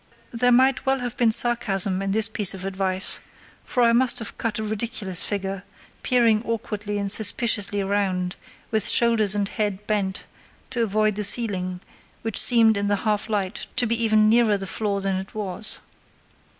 There might well have been sarcasm in this piece of advice, for I must have cut a ridiculous figure, peering awkwardly and suspiciously round, with shoulders and head bent to avoid the ceiling, which seemed in the half light to be even nearer the floor than it was.